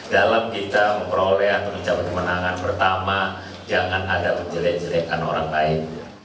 dalam kita memperoleh atau ucapan kemenangan pertama jangan ada menjelek jelekan orang lain